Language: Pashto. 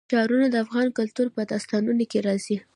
ښارونه د افغان کلتور په داستانونو کې راځي.